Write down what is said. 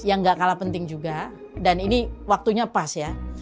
yang gak kalah penting juga dan ini waktunya pas ya